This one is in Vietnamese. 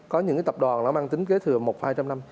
có những tập đoàn nó mang tính kế thừa một hai trăm linh năm